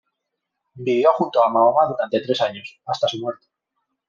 Vivió junto a Mahoma durante tres años, hasta su muerte.